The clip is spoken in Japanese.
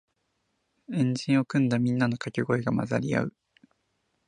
円陣を組んだみんなのかけ声が混ざり合う